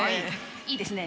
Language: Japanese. いいですね。